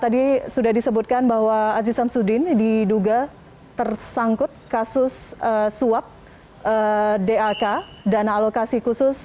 tadi sudah disebutkan bahwa aziz samsudin diduga tersangkut kasus suap dak dana alokasi khusus